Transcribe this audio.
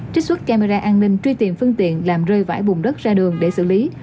trích xuất camera an ninh truy tìm phương tiện làm rơi vãi bùng đất ra đường để xử lý